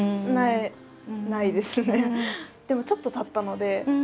でもちょっとたったので。